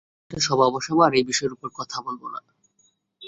আমি একটা সভা বসাবো, আর এই বিষয়ের উপর কথা বলবো।